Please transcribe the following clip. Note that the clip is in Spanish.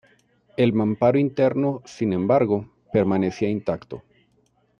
El mamparo interno, sin embargo, permanecía intacto.